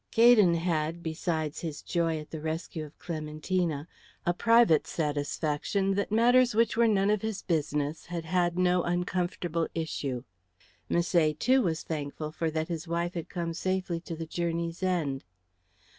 Gaydon had, besides his joy at the rescue of Clementina, a private satisfaction that matters which were none of his business had had no uncomfortable issue. Misset, too, was thankful for that his wife had come safely to the journey's end.